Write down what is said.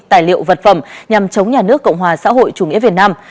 tài liệu vật phẩm nhằm chống nhà nước cộng hòa xã hội chủ nghĩa việt nam